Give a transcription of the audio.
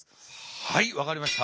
はい分かりました。